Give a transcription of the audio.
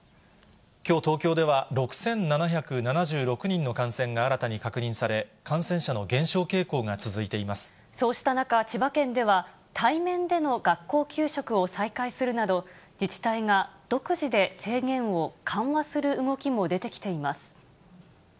きょう東京では、６７７６人の感染が新たに確認され、そうした中、千葉県では対面での学校給食を再開するなど、自治体が独自で制限を緩和する動きも出てきています。